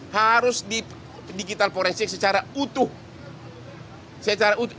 harus digital forensik secara utuh